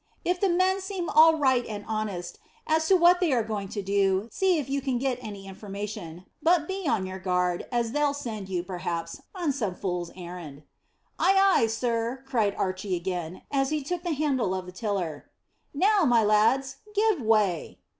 If the men seem all right and honest as to what they are going to do, see if you can get any information, but be on your guard, as they'll send you, perhaps, on some fool's errand." "Ay, ay, sir!" cried Archy again, as he took the handle of the tiller. "Now, my lads, give way!"